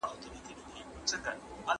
د جمعې ورځ د مسلمانانو د اختر ورځ ده.